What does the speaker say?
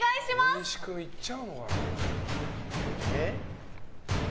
大西君いっちゃうのかな。